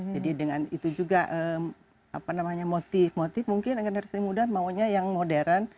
jadi dengan itu juga apa namanya motif motif mungkin generasi muda maunya yang modern